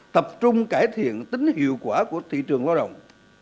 tập trung cải thiện tính hiệu quả của thị trường lao động